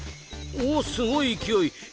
おすごい勢い！